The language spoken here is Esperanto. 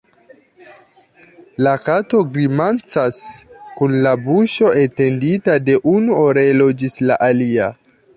La kato grimacas kun la buŝo etendita de unu orelo ĝis la alia.